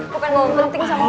bukan gue penting sama lo